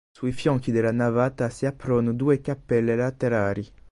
Sui fianchi della navata si aprono due cappelle laterali.